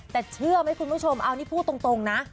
แต่เชื่อไหมคุณผู้ชมเอานี่พูดตรงนะ